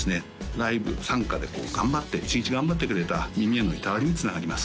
ライブ参加で頑張って一日頑張ってくれた耳へのいたわりにつながります